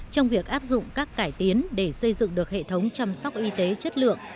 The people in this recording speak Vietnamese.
trong việc áp dụng các cải tiến để xây dựng được hệ thống chăm sóc y tế chất lượng